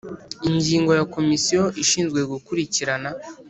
Ingingo ya Komisiyo ishinzwe gukurikirana